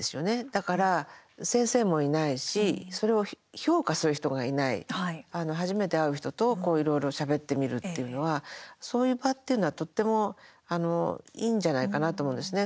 だから、先生もいないしそれを評価する人がいない初めて会う人と、いろいろしゃべってみるっていうのはそういう場っていうのはとってもいいんじゃないかなって思うんですね。